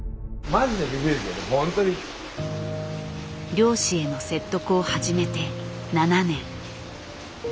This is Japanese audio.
漁師への説得を始めて７年。